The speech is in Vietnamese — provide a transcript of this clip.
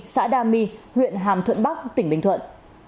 xã đa my huyện hàm thuận bắc tỉnh bình thuận